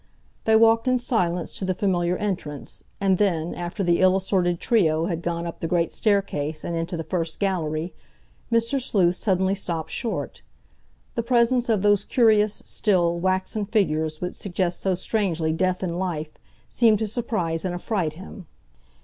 They walked in silence to the familiar entrance, and then, after the ill assorted trio had gone up the great staircase and into the first gallery, Mr. Sleuth suddenly stopped short. The presence of those curious, still, waxen figures which suggest so strangely death in life, seemed to surprise and affright him.